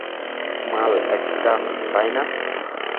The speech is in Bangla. মাল একটা, তাই না?